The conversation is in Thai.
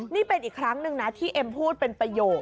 นี่เป็นอีกครั้งหนึ่งนะที่เอ็มพูดเป็นประโยค